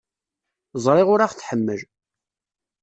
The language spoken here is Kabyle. Ẓriɣ ur aɣ-tḥemmel.